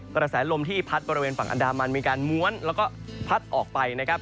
กระแสลมที่พัดบริเวณฝั่งอันดามันมีการม้วนแล้วก็พัดออกไปนะครับ